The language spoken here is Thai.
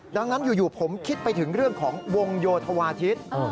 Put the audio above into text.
ดังนั้นอยู่ผมคิดไปถึงเรื่องของวงโยธวาทิศ